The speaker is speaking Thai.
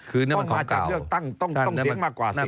คือต้องมาจากเลือกตั้งต้องเสียงมากกว่านั้น